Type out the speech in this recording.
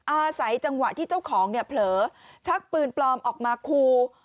อาศัยจังหวะที่เจ้าของเนี่ยเผลอชักปืนปลอมออกมาคู